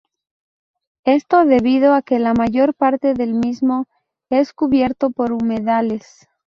Esto debido a que la mayor parte del mismo es cubierto por humedales.